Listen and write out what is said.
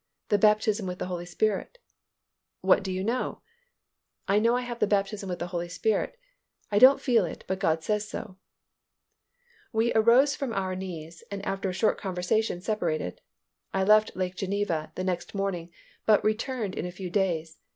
"The baptism with the Holy Spirit." "What do you know?" "I know I have the baptism with the Holy Spirit. I don't feel it, but God says so." We arose from our knees and after a short conversation separated. I left Lake Geneva the next morning, but returned in a few days.